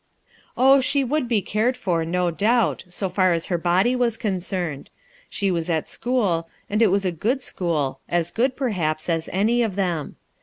Oh, she would be cared for, no doubt, so far as her body was concerned. She was at school. ALONE 249 and it was a good school, as good; perhaps, as any of them.